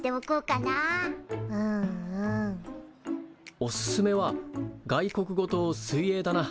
おすすめは外国語と水泳だな。